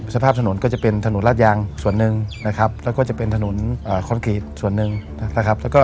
สภาพถนนก็จะเป็นถนนราชยางส่วนหนึ่งนะครับแล้วก็จะเป็นถนนคอนกรีตส่วนหนึ่งนะครับ